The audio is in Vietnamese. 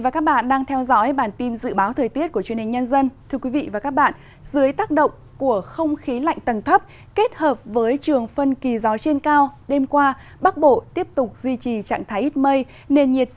các bạn hãy đăng ký kênh để ủng hộ kênh của chúng mình nhé